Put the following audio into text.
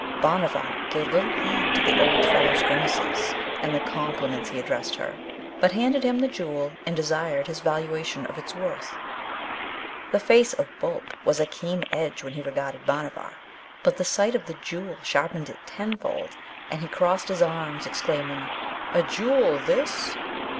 Bhanavar gave little heed to the old fellow's grimaces, and the compliments he addressed her, but handed him the Jewel and desired his valuation of its worth. The face of Boolp was a keen edge when he regarded Bhanavar, but the sight of the Jewel sharpened it tenfold, and he tossed his arms, exclaiming, 'A jewel, this!'